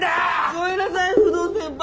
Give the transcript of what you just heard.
ごめんなさい不動先輩。